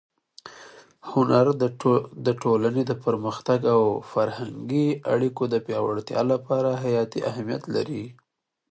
هنر د ټولنې د پرمختګ او فرهنګي اړیکو د پیاوړتیا لپاره حیاتي اهمیت لري.